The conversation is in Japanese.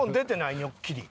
ニョッキリ。